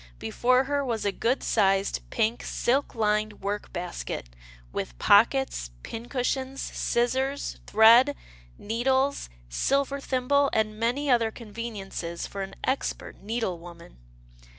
Before her was a good sized pink silk lined work basket, with pockets, pincushion, scissors, thread, needles, silver thimble, and many other conveniences for an expert needle woman.